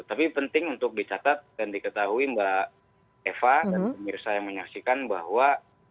tapi penting untuk dicatat dan diketahui mbak eva dan pemirsa yang menyaksikan bahwa